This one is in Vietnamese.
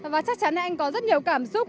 và chắc chắn anh có rất nhiều cảm xúc